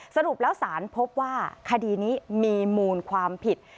สรุปแล้วสารพบว่าคดีนี้มีมูลความผิด